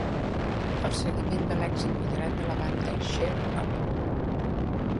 El seguiment de l"èxit moderat de la banda Cheer Up!